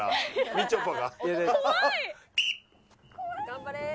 頑張れー！